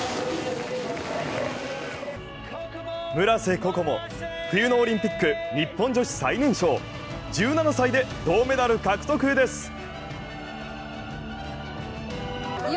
村瀬心椛、冬のオリンピック日本女子最年少１７歳で銅メダル獲得です。